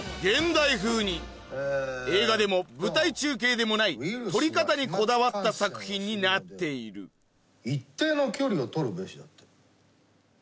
映画でも舞台中継でもない撮り方にこだわった作品になっている一定の距離を取るべしだって。